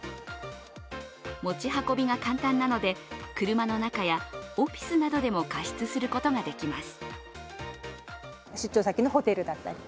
持ち運びが簡単なので、車の中やオフィスなどでも加湿することができます。